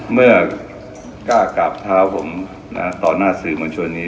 เมื่อกล้ากราบเท้าผมต่อหน้าสื่อมวลชนนี้